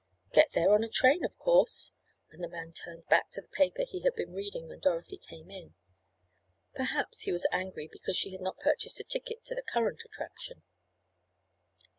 "Get there on a train, of course," and the man turned back to the paper he had been reading when Dorothy came in. Perhaps he was angry because she had not purchased a ticket to the current attraction.